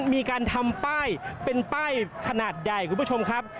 มีการทำป้ายเป็นป้ายขนาดใหญ่คุณผู้ชมครับ